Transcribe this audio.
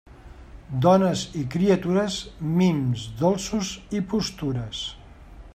Dones i criatures, mims, dolços i postures.